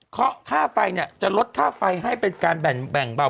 เคราะห์ค่าไฟจะลดค่าไฟให้เป็นการแบ่งบ่าว